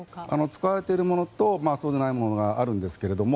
使われているものとそうでないものがあるんですが